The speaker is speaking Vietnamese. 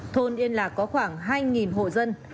thôn yên lạc có khoảng hai hộ dân